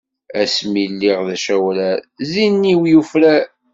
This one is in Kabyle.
Asmi i lliɣ d acawrar, zzin-iw yufrar.